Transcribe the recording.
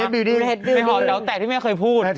ไปหอดเหล่าแตกที่แม่เคยพูด